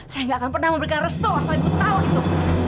saya nggak akan pernah memberikan restu selama seribu tahun itu